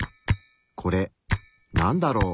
これなんだろう？